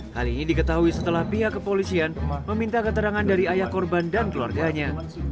hal ini diketahui setelah pihak kepolisian meminta keterangan dari ayah korban dan keluarganya